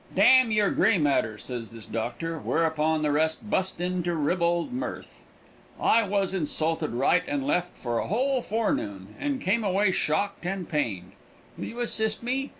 "Damn your Gray matter," says this doctor, whereupon the rest bust into ribald mirth. I was insulted right and left for a whole forenoon, and came away shocked and pained. Will you assist me?